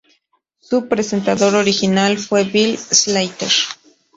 Su presentador original fue Bill Slater.